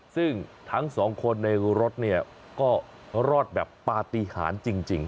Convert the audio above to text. ซึ่งทั้งสองคนในรถเนี่ยก็รอดแบบปฏิหารจริง